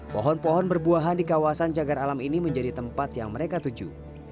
pohon pohon berbuahan di kawasan cagar alam ini menjadi tempat yang mereka tuju